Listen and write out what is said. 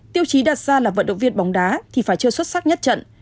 tiêu chí đặt ra là vận động viên bóng đá thì phải chưa xuất sắc nhất trận